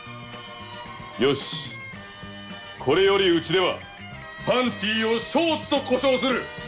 よしこれよりうちでは「パンティ」を「ショーツ」と呼称する。